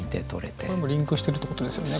これもリンクしてるってことですよね。